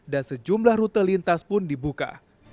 dan sejumlah rute lintas pun dibuka